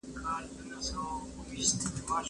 مکتب د ښوونکي له خوا خلاصیږي!!